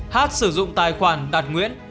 h sử dụng tài khoản đạt nguyễn